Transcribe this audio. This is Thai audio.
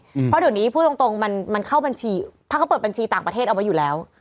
เพราะเดี๋ยวนี้พูดตรงตรงมันมันเข้าบัญชีถ้าเขาเปิดบัญชีต่างประเทศเอาไว้อยู่แล้ว